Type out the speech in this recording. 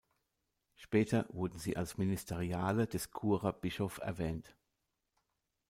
Später werden sie als Ministeriale des Churer Bischof erwähnt.